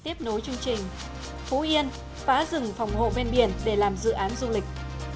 tiếp nối chương trình phú yên phá rừng phòng hộ ven biển để làm dự án du lịch